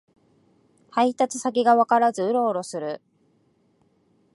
配達先がわからずウロウロする